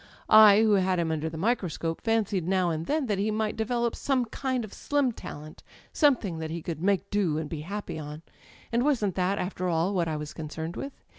I, who had him under the microaeope, fancied now and then that he might develop some kind of a slim talent, something that he could make 'do' and be happy on; and wasn't that, after all, what I was con cerned with?